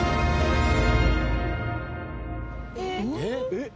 えっ！？